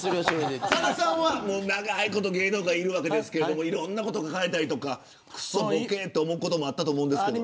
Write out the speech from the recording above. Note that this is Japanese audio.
さださんは、長いこと芸能界にいるわけですけどいろんなこと書かれたりとかくそぼけと思うこともあったと思いますけど。